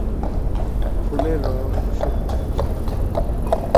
ফুলের রং সবুজাভ সাদা বর্ণের।